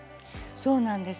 そうなんです。